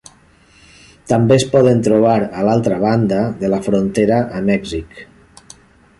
També es poden trobar a l'altra banda de la frontera a Mèxic.